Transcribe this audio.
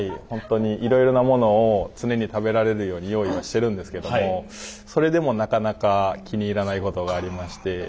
ほんとにいろいろなものを常に食べられるように用意はしてるんですけどもそれでもなかなか気に入らないことがありまして。